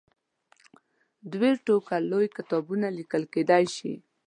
دوې ټوکه لوی کتابونه لیکل کېدلای شي.